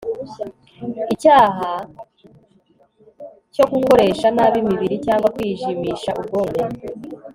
ic yaha cyo gukoresha nabi imibiri cyangwa kwijimisha ubwonko